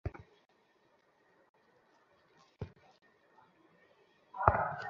দ্বিতীয়ার্ধে যেন কিছুটা ঘুরে দাঁড়ানোর প্রত্যয় নিয়েই মাঠে নেমেছিল স্বাগতিক সোসিয়েদাদ।